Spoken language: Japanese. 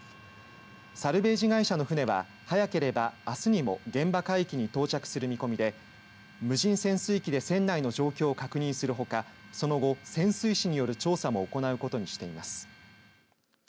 サルベージ会社の船は早ければ、あすにも現場海域に到着する見込みで無人潜水機で船内の状況を確認するほかその後、潜水士による調査も行うことにしています。